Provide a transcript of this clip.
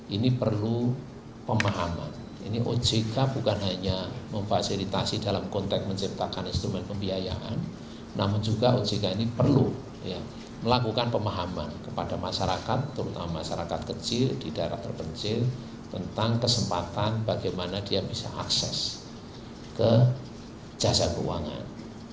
ini perlu pemahaman ini ojk bukan hanya memfasilitasi dalam konteks menciptakan instrumen pembiayaan namun juga ojk ini perlu melakukan pemahaman kepada masyarakat terutama masyarakat kecil di daerah terpencil tentang kesempatan bagaimana dia bisa akses ke jasa keuangan